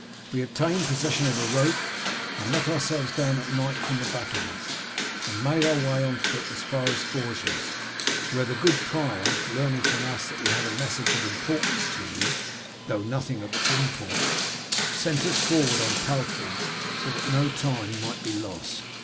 We obtained possession of a rope, and let ourselves down at night from the battlements, and made our way on foot as far as Forges, where the good prior, learning from us that we had a message of importance to you, though nothing of its import, sent us forward on palfreys, so that no time might be lost."